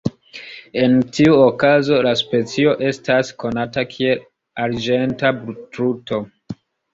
En tiu okazo la specio estas konata kiel "arĝenta truto".